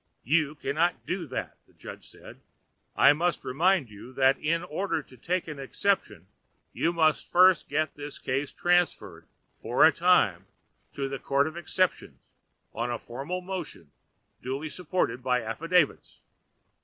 "You cannot do that," the judge said. "I must remind you that in order to take an exception you must first get this case transferred for a time to the Court of Exceptions on a formal motion duly supported by affidavits.